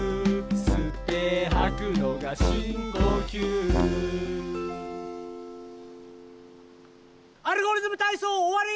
「すってはくのがしんこきゅう」「アルゴリズムたいそう」おわり！